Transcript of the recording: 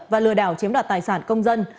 và lừa đảo chiếm đoạt tài sản công dân